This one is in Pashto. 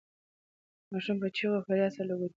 ماشوم په چیغو او فریاد سره له کوټې بهر ووت.